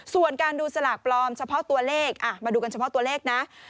ส่วนการดูสลากปลอมเฉพาะตัวเลขมาดูกันเฉพาะตัวเลขนะ